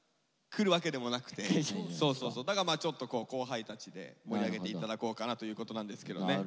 だからちょっとこう後輩たちで盛り上げて頂こうかなということなんですけどね。